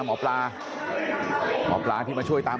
น้าสาวของน้าผู้ต้องหาเป็นยังไงไปดูนะครับ